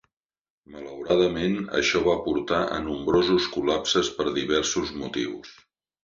Malauradament, això va portar a nombrosos col·lapses per diversos motius.